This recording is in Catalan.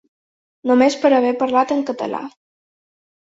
Només per haver parlat en català.